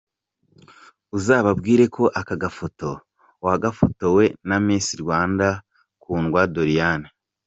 Uzababwire ko aka gafoto wagafotowe na Miss Rwanda Kundwa Doriane.